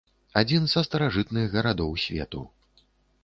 Адзін са старажытных гарадоў свету.